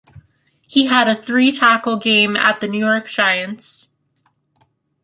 He had a three-tackle game at the New York Giants.